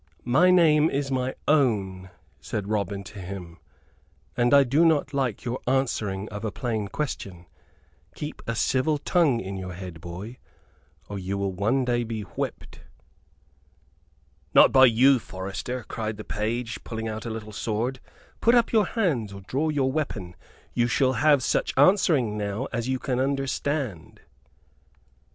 "My name is my own," said Robin to him, "and I do not like your answering of a plain question. Keep a civil tongue in your head, boy, or you will one day be whipped." "Not by you, forester," cried the page, pulling out a little sword. "Put up your hands, or draw your weapon. You shall have such answering now as you can understand."